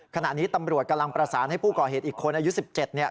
ขณะนี้ตำรวจกำลังประสานให้ผู้ก่อเหตุอีกคนอายุ๑๗